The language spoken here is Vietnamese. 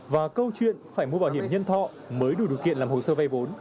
và câu chuyện phải mua bảo hiểm nhân thọ mới đủ điều kiện làm hồ sơ vay vốn